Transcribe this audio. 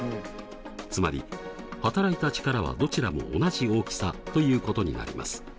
つまりはたらいた力はどちらも同じ大きさということになります。